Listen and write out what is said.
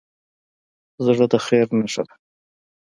زړه د خیر نښه ده.